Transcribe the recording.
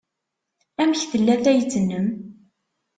Amek tella tayet-nnem?